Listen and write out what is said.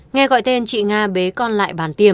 nghe gọi tên chị nga bế con lại bàn tiềm